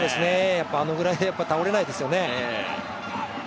あのぐらいでは倒れないですよね。